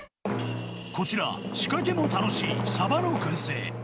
こちら、仕掛けも楽しいサバのくん製。